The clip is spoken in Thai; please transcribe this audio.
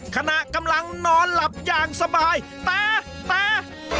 ขณะกำลังนอนหลับอย่างสบายแต่